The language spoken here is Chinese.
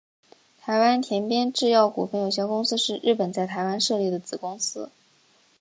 台湾田边制药股份有限公司是日本在台湾设立的子公司。